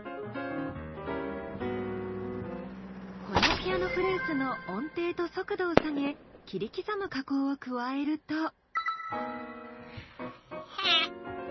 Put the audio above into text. このピアノフレーズの音程と速度を下げ切り刻む加工を加えると。